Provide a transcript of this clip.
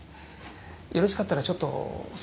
よろしかったらちょっと外のほうへ。